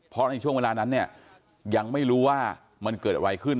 เพราะในช่วงเวลานั้นเนี่ยยังไม่รู้ว่ามันเกิดอะไรขึ้น